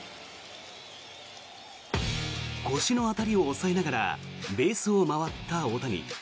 腰の辺りを押さえながらベースを回った大谷。